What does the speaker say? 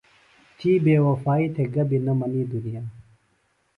تھی بے وفائی تھےۡ گہ بیۡ نہ منی دُنیا۔